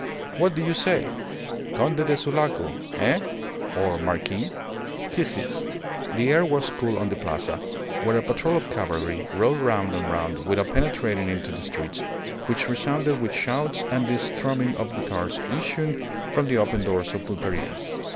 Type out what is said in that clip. What do you say? Conde de Sulaco Eh? or marquis ..." He ceased. The air was cool on the Plaza, where a patrol of cavalry rode round and round without penetrating into the streets, which resounded with shouts and the strumming of guitars issuing from the open doors of pulperias.